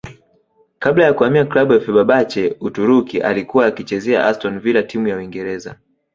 kabla ya kuhamia klabu ya Feberbahce Uturuki alikuwa akichezea Aston Villa timu ya Uingereza